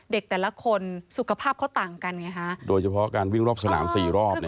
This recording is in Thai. แต่ละคนสุขภาพเขาต่างกันไงฮะโดยเฉพาะการวิ่งรอบสนาม๔รอบ